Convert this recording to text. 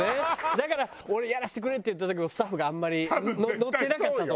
だから俺やらせてくれって言った時もスタッフがあんまり乗ってなかったと思うんだよね。